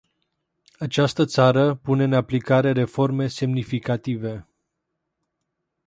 Această țară pune în aplicare reforme semnificative.